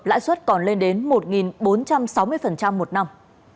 lãi suất còn lên đến một bốn trăm sáu mươi một năm